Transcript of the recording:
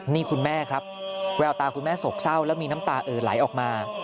นี่คุณแม่ครับแววตาคุณแม่โศกเศร้าแล้วมีน้ำตาเอ่อไหลออกมา